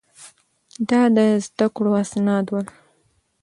دا د ده د زده کړو اسناد ول.